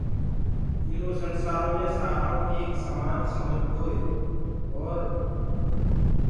ايرو سنسآرو مي سآرآئو ايڪ سمآن سمجدوئي اور